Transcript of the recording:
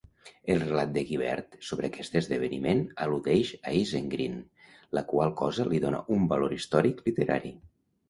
El relat de Guibert sobre aquest esdeveniment al·ludeix a Isengrin, la qual cosa li dona un valor històric literari.